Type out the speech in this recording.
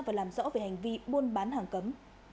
và làm rõ về hành vi buôn bán hàng cấm